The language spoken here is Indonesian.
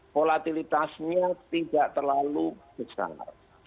volatilitasnya tidak terlalu besar